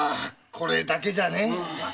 これだけじゃね。